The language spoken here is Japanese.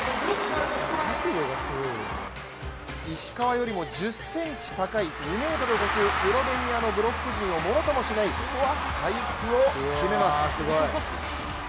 石川よりも１０ｃｍ高い２ｍを超すスロベニアのブロック陣をものともしないスパイクを決めます。